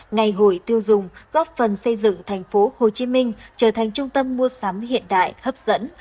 ngày hội tiêu dùng góp phần xây dựng tp hcm trở thành trung tâm mua sắm hiện đại hấp dẫn